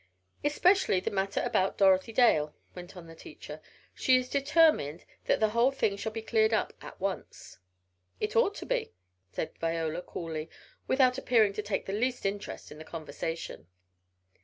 "Especially that matter about Dorothy Dale," went on the teacher. "She is determined that the whole thing shall be cleared up at once." "It ought to be," said Viola coolly, without appearing to take the least interest in the conversation.